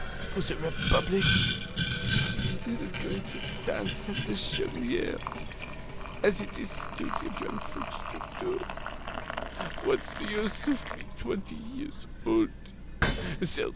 For the Republic! Instead of going to dance at the Chaumière, as it is the duty of young folks to do! What's the use of being twenty years old?